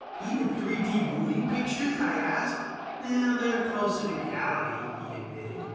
"Even 3 D moving pictures?" I asked. "They're closer to reality," he admitted.